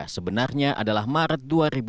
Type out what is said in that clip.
sebenarnya adalah maret dua ribu dua puluh